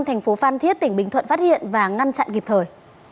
thành phố phan thiết tỉnh bình thuận phát hiện và ngăn chặn kịp thời